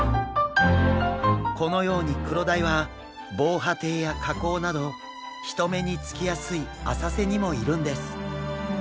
このようにクロダイは防波堤や河口など人目につきやすい浅瀬にもいるんです。